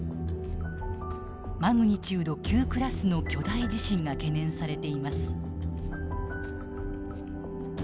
マグニチュード９．０クラスの巨大地震が懸念されています。